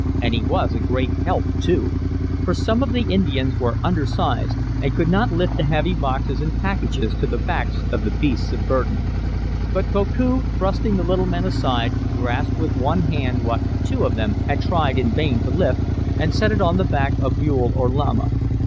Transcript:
And he was a great help, too. For some of the Indians were under sized, and could not lift the heavy boxes and packages to the backs of the beasts of burden. But Koku, thrusting the little men aside, grasped with one hand what two of them had tried in vain to lift, and set it on the back of mule or llama.